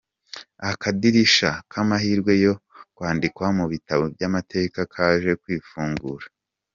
Akadirisha k’amahirwe yo kwandikwa mu bitabo by’amateka kaje kwifungura.